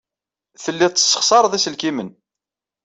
Telliḍ tessexṣareḍ iselkimen.